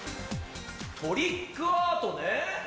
トリックアートね。